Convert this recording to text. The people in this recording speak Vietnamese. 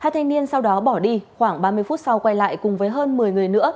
hai thanh niên sau đó bỏ đi khoảng ba mươi phút sau quay lại cùng với hơn một mươi người nữa